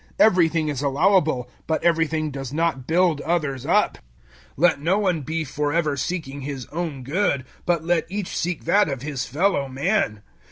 Everything is allowable, but everything does not build others up. 010:024 Let no one be for ever seeking his own good, but let each seek that of his fellow man.